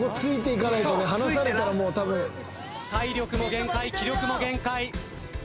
体力も限界気力も限界。